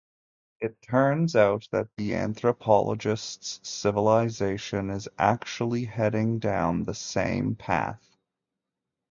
It turns out that the anthropologist's civilization is actually heading down the same path.